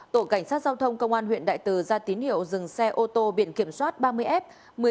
tổ cảnh sát giao thông công an huyện đại từ ra tín hiệu dừng xe ô tô biển kiểm soát ba mươi f một mươi chín nghìn bốn trăm sáu mươi chín